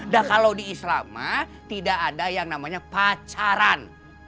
nah kalau di islama tidak ada yang namanya pacaran